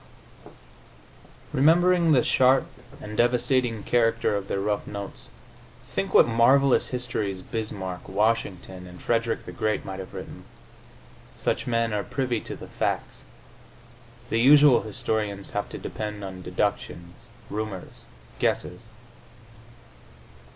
Remembering the sharp and devastating character of their rough notes, think what marvelous histories Bismarck, Washington and Frederick the Great might have written! Such men are privy to the facts; the usual historians have to depend on deductions, rumors, guesses.